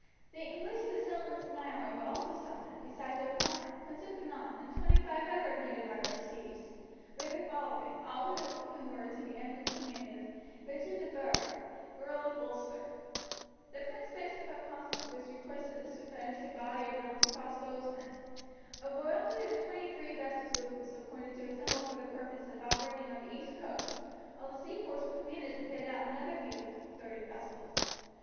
The English of the settlements in Ireland were also summoned, besides O'Connor, Prince of Connaught, and twenty five other native Irish chiefs, with their following, all of whom were to be under the command of Richard de Burgh, Earl of Ulster. The Prince Bishop of Constance was requested to furnish a body of mounted crossbowmen. A royal fleet of twenty three vessels was appointed to assemble for the purpose of operating on the east coast, while the seaports were commanded to fit out another fleet of thirty vessels.